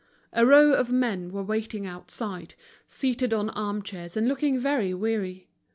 A row of men were waiting outside, seated on armchairs, and looking very weary.